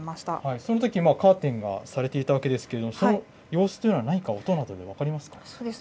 そのときカーテンがされていたわけですけれども、その様子というのは何か音などで分かりますか。